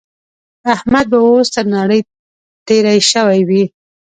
احمد به اوس تر نړۍ تېری شوی وي.